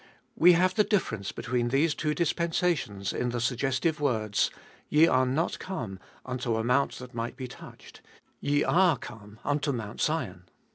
We have the difference between these two dispensations in the suggestive words : Ye are not come unto a mount that might be touched : Ye are come unto Mount Sion.